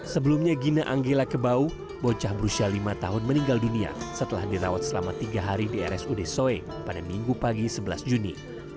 sebelumnya gina anggila kebau bocah berusia lima tahun meninggal dunia setelah dirawat selama tiga hari di rsud soe pada minggu pagi sebelas juni